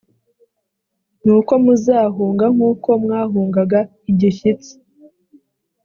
nuko muzahunga nk’ uko mwahungaga igishyitsi